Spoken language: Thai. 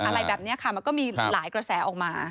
อะไรแบบนี้ค่ะมันก็มีหลายกระแสออกมา